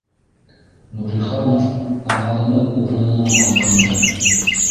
Нуриханов ағарынып урынынан ҡалҡынды